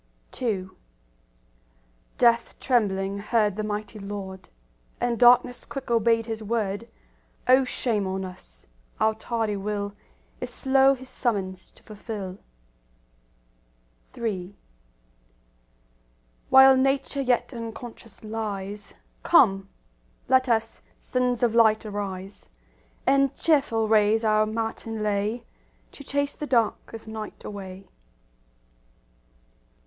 II Death trembling heard the mighty Lord, And darkness quick obeyed His word;— O shame on us! our tardy will Is slow His summons to fulfil. III While Nature yet unconscious lies, Come, let us, sons of light, arise, And cheerful raise our matin lay To chase the dark of night away.